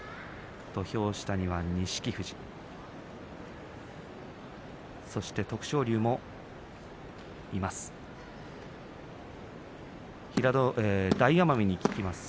土俵下には錦富士そして徳勝龍もいます。